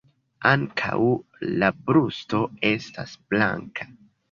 Ankaŭ la brusto estas blanka.